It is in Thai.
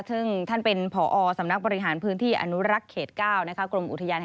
ตึงท่านเป็นผ่สำนักบริหารพื้นที่อนุรักษณ์เขต๙นะครับ